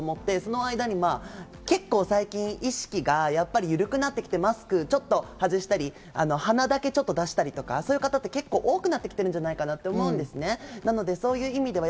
そこが自分は無症状だと思って、その間に結構、最近、意識がやっぱり緩くなってきてマスクをちょっと外したり、鼻だけ出したりとか、そういう方って結構多くなってきてるんじゃないかと思うんですね。